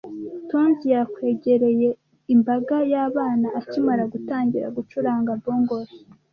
Tonzi yakwegereye imbaga yabana akimara gutangira gucuranga bongos.